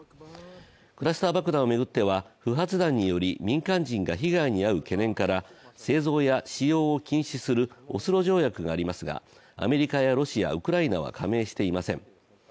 クラスター爆弾を巡っては、不発弾により民間人が被害に遭う懸念から製造や使用を禁止するオスロ条約がありますが、アメリカやロシア、ウクライナは加盟していません。